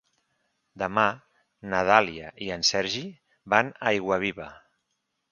Demà na Dàlia i en Sergi van a Aiguaviva.